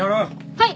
はい！